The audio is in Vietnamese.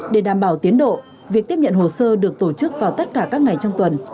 để đảm bảo tiến độ việc tiếp nhận hồ sơ được tổ chức vào tất cả các ngày trong tuần